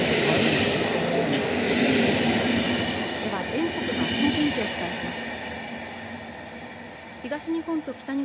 全国の明日の天気をお伝えします。